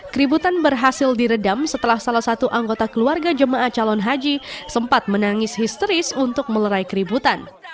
keributan berhasil diredam setelah salah satu anggota keluarga jemaah calon haji sempat menangis histeris untuk melerai keributan